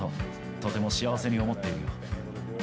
とても幸せに思っているよ。